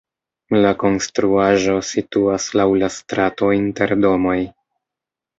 La konstruaĵo situas laŭ la strato inter domoj.